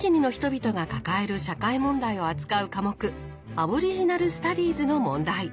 アボリジナル・スタディーズの問題。